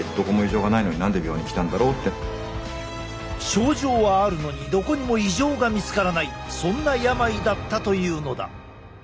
症状はあるのにどこにも異常が見つからないそんな病だったというのだ。